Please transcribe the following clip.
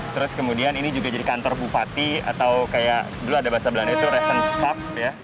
terus kemudian ini juga jadi kantor bupati atau kayak dulu ada bahasa belanda itu refons cup ya